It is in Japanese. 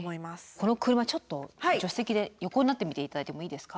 この車ちょっと助手席で横になってみて頂いてもいいですか？